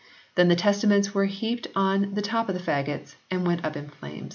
Then the Testaments were heaped on the top of the faggots and went up in flame.